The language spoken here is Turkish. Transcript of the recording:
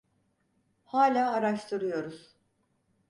Hala araştırıyoruz.